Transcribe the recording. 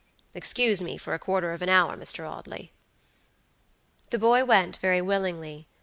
Excuse me for a quarter of an hour, Mr. Audley." The boy went very willingly.